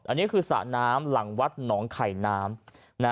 อันนี้คือสระน้ำหลังวัดหนองไข่น้ำ